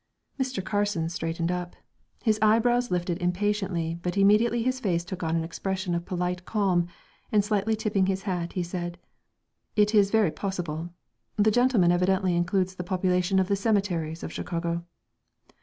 Mr. Carson straightened up. His eyebrows lifted impatiently but immediately his face took on an expression of polite calm, and slightly tipping his hat, he said: "It is very possible ... the gentleman evidently includes the population of the cemeteries of Chicago."